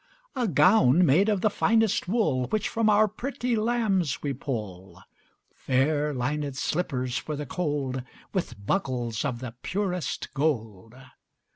A gown made of the finest wool Which from our pretty lambs we pull; Fair linèd slippers for the cold, 15 With buckles of the purest gold.